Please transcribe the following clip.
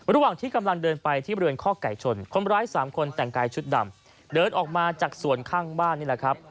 ระหว่างที่กำลังเดินไปที่บริเวณข้อไก่ชนคนร้ายสามคนแต่งกายชุดดำเดินออกมาจากส่วนข้างบ้านนี่แหละครับ